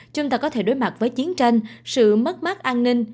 chúng ta có thể đối mặt với chiến tranh sự mất mát an ninh